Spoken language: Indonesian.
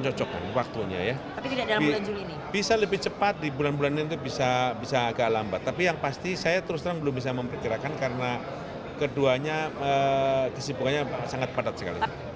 pembulan ini bisa agak lambat tapi yang pasti saya terus terang belum bisa memperkirakan karena keduanya kesibukannya sangat padat sekali